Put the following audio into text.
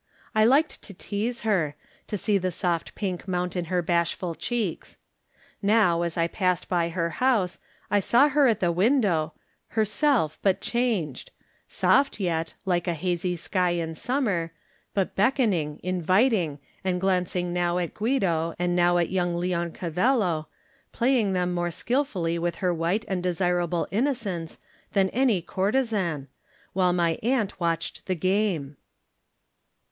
I liked to tease her, to see the soft pink mount in her bashful cheeks. Now as I passed by her house I saw her at the window, herself, but changed — ^soft yet, like a hazy sky in summer, but beckoning, inviting, and glan cing now at Guido and now at young Leon cavello, playing them more skilfully with her white and desirable innocence than any courtezan, while my aunt watched the game.